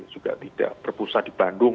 juga berpusat di bandung